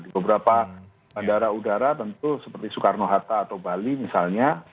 di beberapa bandara udara tentu seperti soekarno hatta atau bali misalnya